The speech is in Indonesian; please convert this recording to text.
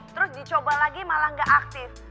terus dicoba lagi malah gak aktif